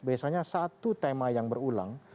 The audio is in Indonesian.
biasanya satu tema yang berulang